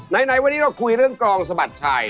ไหนวันนี้เราคุยเรื่องกรองสะบัดชัย